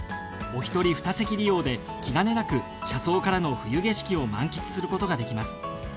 おひとり２席利用で気兼ねなく車窓からの冬景色を満喫することができます。